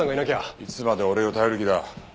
いつまで俺を頼る気だ。